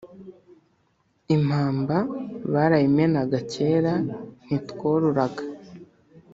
impamba barayimenaga Kera ntitwororaga